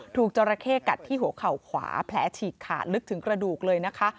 จราเข้กัดที่หัวเข่าขวาแผลฉีกขาดลึกถึงกระดูกเลยนะคะ